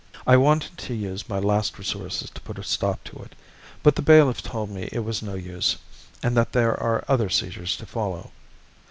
I wanted to use my last resources to put a stop to it, but the bailiff told me it was no use, and that there are other seizures to follow.